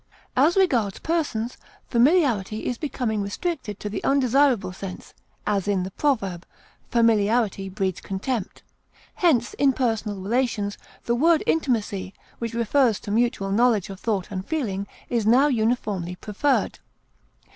As regards persons, familiarity is becoming restricted to the undesirable sense, as in the proverb, "Familiarity breeds contempt;" hence, in personal relations, the word intimacy, which refers to mutual knowledge of thought and feeling, is now uniformly preferred.